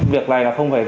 việc này là không phải